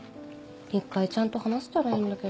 一回ちゃんと話せたらいいんだけど。